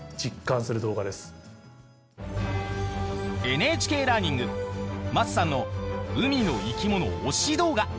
ＮＨＫラーニング桝さんの海の生き物推し動画。